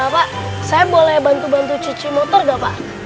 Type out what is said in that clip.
pak saya boleh bantu bantu cuci motor nggak pak